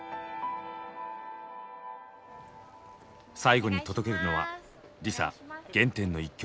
最後に届けるのはＬｉＳＡ原点の一曲。